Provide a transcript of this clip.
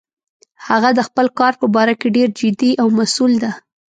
هغه د خپل کار په باره کې ډیر جدي او مسؤل ده